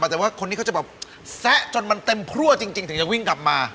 ถ้าอยากเจอขอเชิญพั่วทองคำ